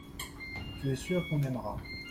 Tu es sûr qu’on aimera.